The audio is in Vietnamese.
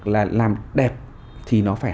là làm đẹp thì nó phải